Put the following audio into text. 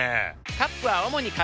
カップは主に紙。